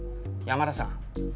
山田さん